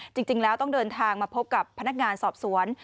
จริงแล้วต้องเดินทางมาพบกับพนักงานสอบสวน